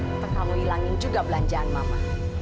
untuk kamu hilangin juga belanjaan mama